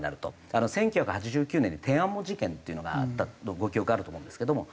１９８９年に天安門事件っていうのがあったとご記憶あると思うんですけども。